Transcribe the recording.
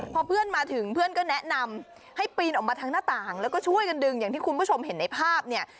พอเพื่อนมาถึงเพื่อนก็แนะนำให้ปีนออกมาทางหน้าต่างแล้วก็ช่วยกันดึงอย่างที่คุณผู้ชมเห็นในภาพเนี่ย